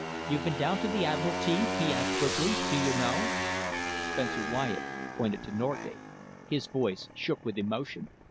"You've been down to the Admiralty?" he asked quickly. "Do you know?" Spencer Wyatt pointed to Norgate. His voice shook with emotion.